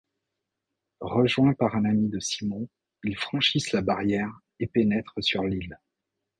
Rejoint par un ami de Simon, ils franchissent la barrière et pénètrent sur l'île.